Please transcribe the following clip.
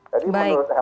jadi menurut saya